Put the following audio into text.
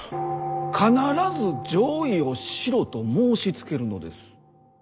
必ず攘夷をしろと申しつけるのです。